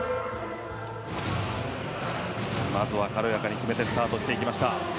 まずは軽やかに決めてスタートしていきました。